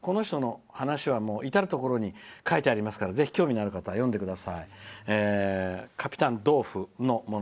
この人の話は、至る所に書いてありますからぜひ興味のある方は読んでください。